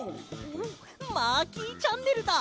マーキーチャンネルだ。